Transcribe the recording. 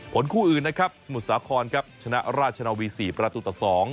คู่อื่นนะครับสมุทรสาครครับชนะราชนาวี๔ประตูต่อ๒